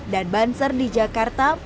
dan banser di jakarta